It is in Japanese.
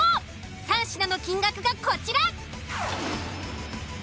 ３品の金額がこちら。